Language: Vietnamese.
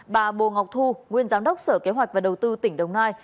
bà bồ ngọc thu nguyên giám đốc sở kế hoạch và đầu tư tỉnh đồng nai